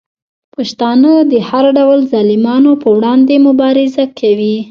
پښتانه د هر ډول ظالمانو په وړاندې مبارزه کوي.